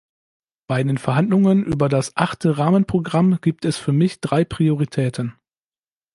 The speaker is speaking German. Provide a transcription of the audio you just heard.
Bei den Verhandlungen über das Achte Rahmenprogramm gibt es für mich drei Prioritäten.